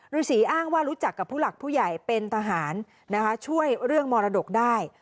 ฤษีอ้างว่ารู้จักกับผู้หลักผู้ใหญ่เป็นทหารนะคะช่วยเรื่องมรดกได้